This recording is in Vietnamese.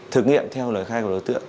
thực nghiệm theo lời khai của đối tượng